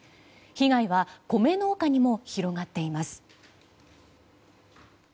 被害は米農家にも広がっています。